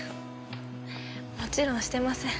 もちろんしてません。